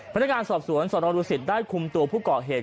พฤตการสอบสวนสอนอนดูสิตได้คุมตัวผู้กเกาะเหตุ